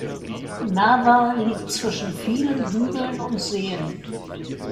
Nawa liegt zwischen vielen Hügeln und Seen.